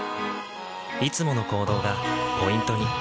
いつもの行動がポイントに。